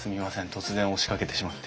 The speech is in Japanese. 突然押しかけてしまって。